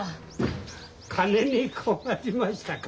金に困りましたか？